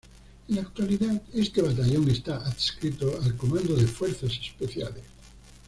En la actualidad este Batallón está adscrito al Comando de Fuerzas Especiales.